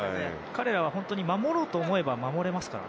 彼らは守ろうと思えば守れますから。